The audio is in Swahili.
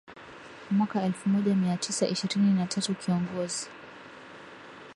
Mwaka elfumoja miatisa ishirini na tatu Kiongozi